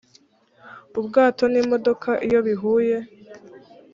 ubwato n imodoka iyobihuye